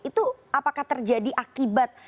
itu apakah terjadi akibat